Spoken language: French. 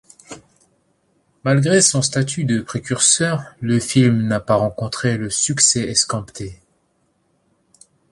Malgré son statut de précurseur, le film n'a pas rencontré le succès escompté.